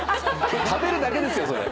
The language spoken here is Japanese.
食べるだけですよそれ！